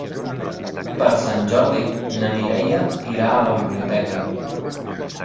Per Sant Jordi na Mireia irà a la biblioteca.